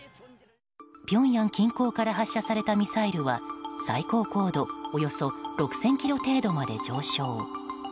ピョンヤン近郊から発射されたミサイルは最高高度６０００ｋｍ程度まで上昇。